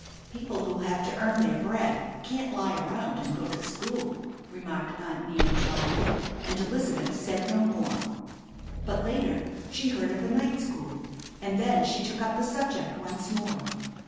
"People who have to earn their bread can't lie around and go to school," remarked Aunt Nan dryly, and Elizabeth said no more. But later she heard of a night school, and then she took up the subject once more.